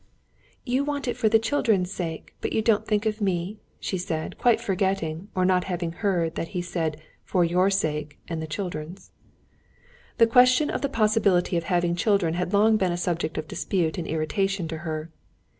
"You want it for the children's sake, but you don't think of me?" she said, quite forgetting or not having heard that he had said, "For your sake and the children's." The question of the possibility of having children had long been a subject of dispute and irritation to her.